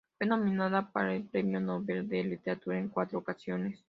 Fue nominada para el Premio Nobel de Literatura en cuatro ocasiones.